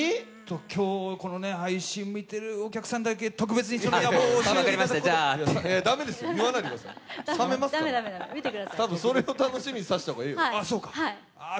今日、配信を見てるお客さんだけ特別に駄目ですよ、それを楽しみにさせたらいいよ。